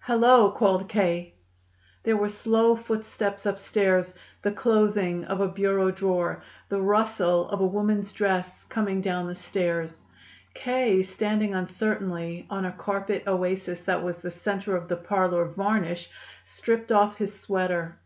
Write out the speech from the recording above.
"Hello!" called K. There were slow footsteps upstairs, the closing of a bureau drawer, the rustle of a woman's dress coming down the stairs. K., standing uncertainly on a carpet oasis that was the center of the parlor varnish, stripped off his sweater.